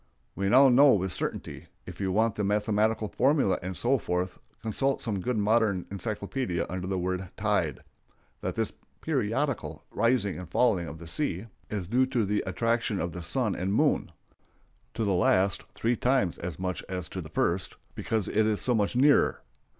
We now know with certainty—if you want the mathematical formulæ and so forth, consult some good modern encyclopædia under the word tide—that this periodical rising and falling of the sea is due to the attraction of the sun and moon,—to the last three times as much as to the first, because it is so much nearer.